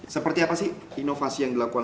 seperti apa sih inovasi yang dilakukan